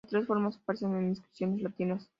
Las tres formas aparecen en inscripciones latinas.